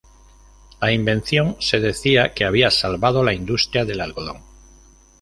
La invención se decía que había "salvado la industria del algodón".